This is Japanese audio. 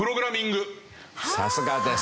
さすがです。